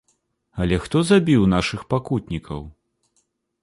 Але хто забіў нашых пакутнікаў?